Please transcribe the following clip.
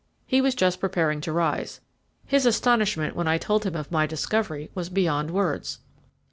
He was just preparing to rise. His astonishment when I told him of my discovery was beyond words.